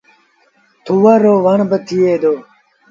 ٿُور رو وڻ با ٿئي دو۔